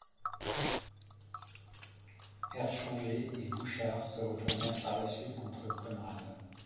Erchanger et Bouchard se retournèrent par la suite contre Conrad.